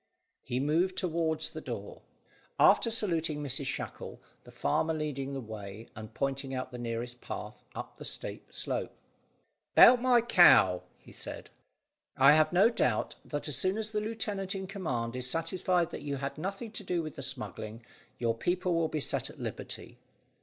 He moved towards the door, after saluting Mrs Shackle, the farmer leading the way, and pointing out the nearest path up the steep slope. "'Bout my cow," he said. "I have no doubt that as soon as the lieutenant in command is satisfied that you had nothing to do with the smuggling, your people will be set at liberty."